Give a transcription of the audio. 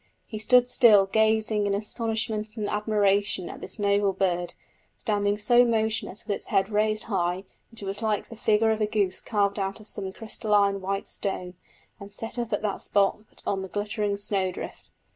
He stood still gazing in astonishment and admiration at this noble bird, standing so motionless with its head raised high that it was like the figure of a goose carved out of some crystalline white stone and set up at that spot on the glittering snowdrift.